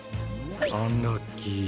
アンラッキー。